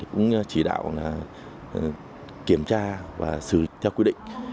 cũng chỉ đạo kiểm tra và xử theo quy định